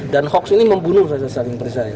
dan hoax ini membunuh saja saling percaya